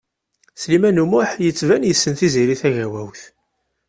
Sliman U Muḥ yettban yessen Tiziri Tagawawt.